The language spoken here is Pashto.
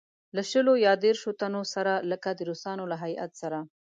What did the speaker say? له شلو یا دېرشوتنو سره لکه د روسانو له هیات سره.